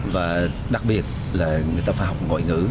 và đặc biệt là người ta phải học ngoại ngữ